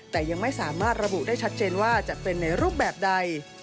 แต่ยังไม่สามารถระบุได้ชัดเจนว่าจะเป็นในรูปแบบใด